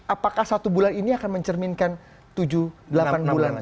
apakah satu bulan ini akan mencerminkan tujuh delapan bulan